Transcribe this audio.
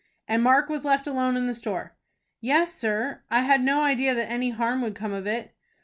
"And Mark was left alone in the store?" "Yes, sir. I had no idea that any harm would come of it."